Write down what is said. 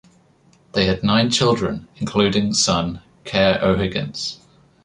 They had nine children including son Cahir O'Higgins.